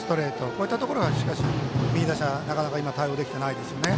こういったところが右打者、なかなか今対応できていないですね。